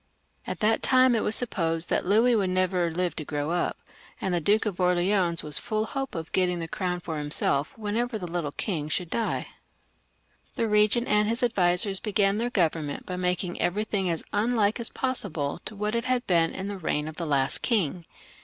At that time it was supposed that Louis would never live to grow up, and the Duke of Orleans was full of hopes of getting the crown for himself whenever the little king should die. The regent and his advisers began their government by making everything as unlike as possible to what it had been in the reign of the last king.